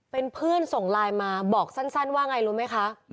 เป็นเพื่อนส่งไลน์มาบอกสั้นว่าไงรู้ไหมคะ